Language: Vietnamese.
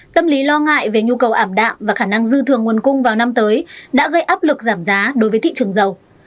tâm lý lo ngại về nhu cầu ảm đạm và khả năng dư thường nguồn cung vào năm tới đã gây áp lực giảm giá đối với thị trường dầu